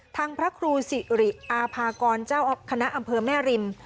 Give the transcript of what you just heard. พระครูสิริอาภากรเจ้าคณะอำเภอแม่ริม